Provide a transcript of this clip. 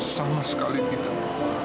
sama sekali tidak